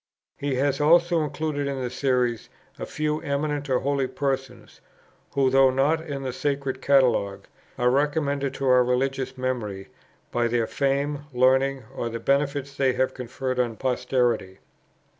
He has also included in the Series a few eminent or holy persons, who, though not in the Sacred Catalogue, are recommended to our religious memory by their fame, learning, or the benefits they have conferred on posterity.